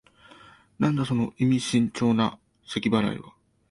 なんだ、その意味深長なせき払いは。